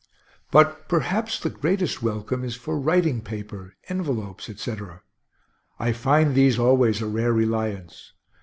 But perhaps the greatest welcome is for writing paper, envelopes, etc. I find these always a rare reliance.